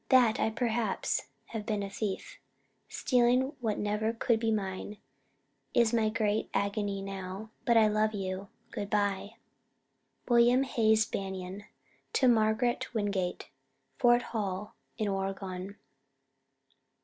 That I perhaps have been a thief, stealing what never could be mine, is my great agony now. But I love you. Good by. WILLIAM HAYS BANION. To MARGARET WINGATE, Fort Hall, in Oregon.